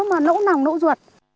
mà nỗ nòng nỗ ruột